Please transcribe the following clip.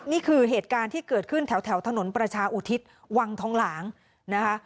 นี่คือเหตุการณ์ที่เกิดขึ้นแถวถนนประชาอุทิศวังทองหลางนะคะ